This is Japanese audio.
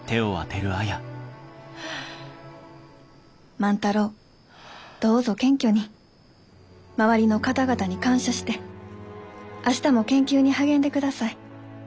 「万太郎どうぞ謙虚に周りの方々に感謝して明日も研究に励んでください。